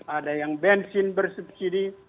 ada yang bensin bersubsidi